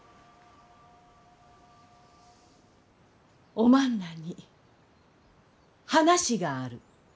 おまんらに話がある。